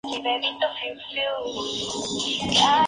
Finalmente, el hidalgo despierta y asegura que ha recuperado el juicio.